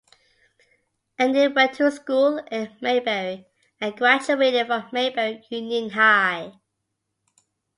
Andy went to school in Mayberry and graduated from Mayberry Union High.